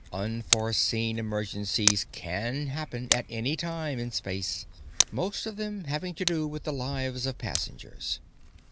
Unforeseen emergencies can happen at any time in space, most of them having to do with the lives of passengers.